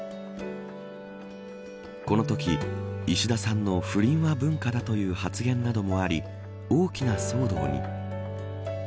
このとき石田さんの不倫は文化だという発言などもあり大きな騒動に。